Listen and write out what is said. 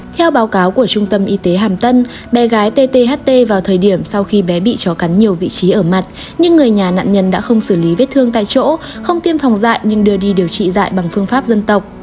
theo báo cáo của trung tâm y tế hàm tân bé gái tth vào thời điểm sau khi bé bị chó cắn nhiều vị trí ở mặt nhưng người nhà nạn nhân đã không xử lý vết thương tại chỗ không tiêm phòng dạy nhưng đưa đi điều trị dạy bằng phương pháp dân tộc